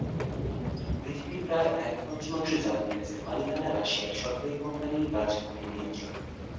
পৃথিবীর প্রায় এক-পঞ্চমাংশ জ্বালানি গ্যাসের মালিকানা রাশিয়ার সরকারি কোম্পানি গাজপ্রমের নিয়ন্ত্রণে।